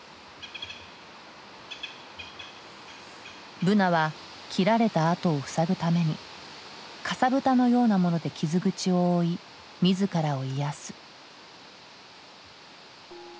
ブナは切られた跡を塞ぐためにかさぶたのようなもので傷口を覆い自らを癒やす。